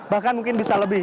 bahkan mungkin bisa lebih